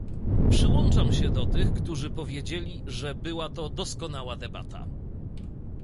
Przyłączam się do tych, którzy powiedzieli, że była to doskonała debata